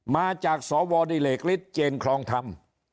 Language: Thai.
มาจากสวดิเหลกฤทธิเจนคลองธรรม